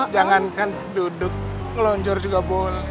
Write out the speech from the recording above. jangankan duduk ngelonjor juga boleh